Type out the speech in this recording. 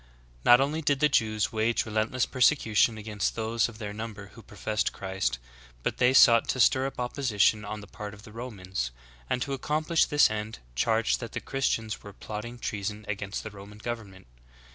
^. 13. Not only did the Jews wage relentless persecution against those of their number who professed Christ, but they sought to stir up opposition on the part of the Romans, and to accomplish this end charged that the Christians were plotting treason against the Roman government.